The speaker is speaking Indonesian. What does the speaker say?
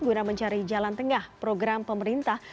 guna mencari jalan tengah program pemerintah